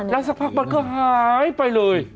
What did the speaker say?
แล้วสักพักมันก็หายไปเลย